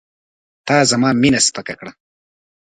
تا زما مینه سپکه کړه.